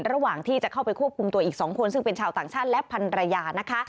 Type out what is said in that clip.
ระหว่างที่จะเข้าไปควบคุมตัวอีก๒คนซึ่งเป็นชาวต่างชาติและพันรยานะคะ